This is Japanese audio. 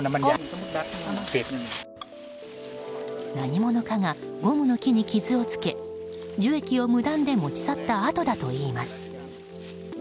何者かがゴムの木に傷をつけ樹液を無断で持ち去った跡だといいます。